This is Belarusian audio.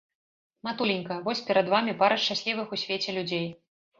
Матуленька, вось перад вамі пара шчаслівых у свеце людзей.